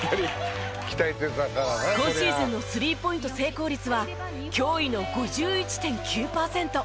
今シーズンのスリーポイント成功率は驚異の５１．９パーセント。